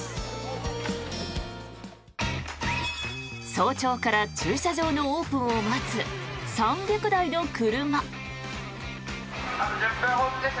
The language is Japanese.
早朝から駐車場のオープンを待つ３００台の車。